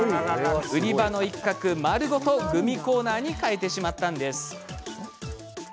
売り場の一角を丸ごとグミコーナーに変えてしまったんです。